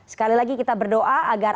sekali lagi kita berdoa agar